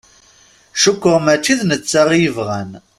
Cukkeɣ mačči d netta i yebɣan.